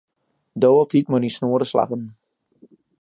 Do altyd mei dyn snoade slaggen.